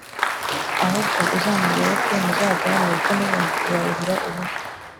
ahubwo uzamuyoboke muzajyane kuko nubundi uraruhira ubusa,